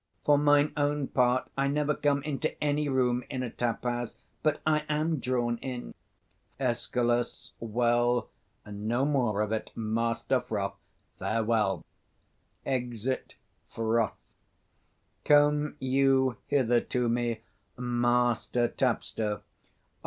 For mine own part, I never come into any room in a taphouse, but I am drawn in. Escal. Well, no more of it, Master Froth: farewell. [Exit Froth.] Come you hither to me, Master tapster.